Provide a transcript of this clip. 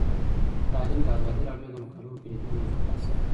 تعلیم د ازادي راډیو د مقالو کلیدي موضوع پاتې شوی.